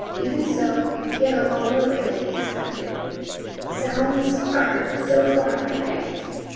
Even so, he had a longer wait than he expected, sounds are heard so far by night.